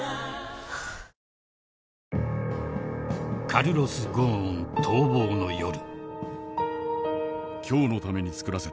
［カルロス・ゴーン逃亡の夜］